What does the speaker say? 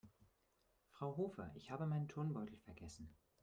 Frau Hofer, ich habe meinen Turnbeutel vergessen.